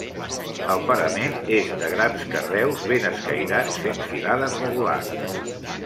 El parament és de grans carreus ben escairats fent filades regulars.